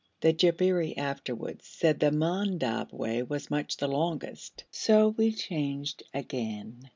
The Jabberi afterwards said the Mandob way was much the longest, so we changed again.